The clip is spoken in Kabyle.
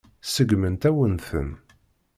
Seggment-awen-ten.